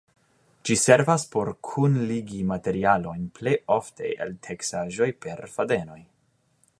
Ĝi servas por kunligi materialojn plej ofte el teksaĵoj per fadenoj.